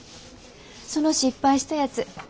その失敗したやつ